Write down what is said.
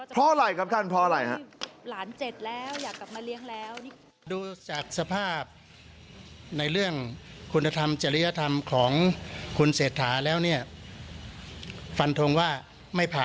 เพราะอะไรครับท่านเพราะอะไรครับ